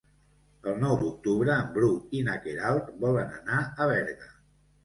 El nou d'octubre en Bru i na Queralt volen anar a Berga.